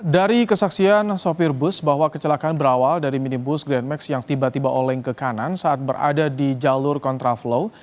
dari kesaksian sopir bus bahwa kecelakaan berawal dari minibus grand max yang tiba tiba oleng ke kanan saat berada di jalur kontraflow